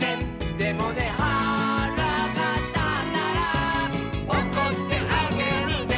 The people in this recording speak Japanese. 「でもねはらがたったら」「おこってあげるね」